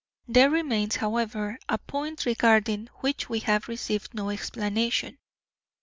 There remains, however, a point regarding which we have received no explanation.